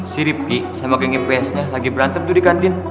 si ripki sama geng ips nya lagi berantem tuh di kantin